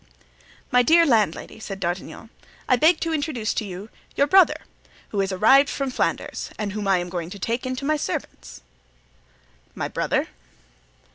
"My dear landlady," said D'Artagnan, "I beg to introduce to you your brother, who is arrived from Flanders and whom I am going to take into my service." "My brother?"